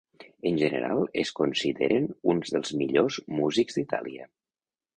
En general, es consideren uns dels millors músics d'Itàlia.